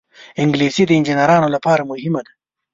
انګلیسي د انجینرانو لپاره مهمه ده